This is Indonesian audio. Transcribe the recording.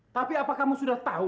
tapi apakah kamu sudah tahu